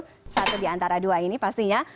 satu di antara dua ini pastinya